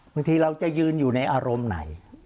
บางทีเราจะยืนอยู่ในอารมณ์ไหน